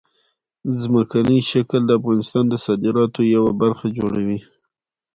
ځمکنی شکل د افغانستان د صادراتو یوه مهمه برخه جوړوي.